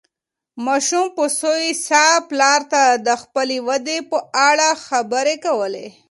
ماشوم په سوې ساه پلار ته د خپلې ودې په اړه خبرې کولې.